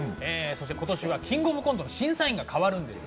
今年は「キングオブコント」の審査員が変わるんですが。